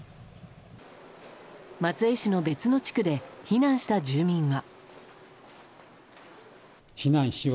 松江市の別の地区で避難した住民は。